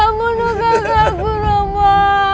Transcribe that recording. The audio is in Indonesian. jangan bunuh kakakku romo